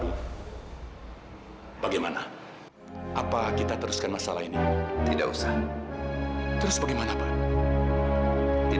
dia kalau sampai perhatikan siapa kalau rsi